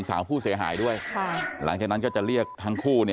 ถ้าเขาฟังอยู่กันก็ขอโทษทุกอย่างครับผม